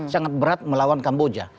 sangat berat melawan kamboja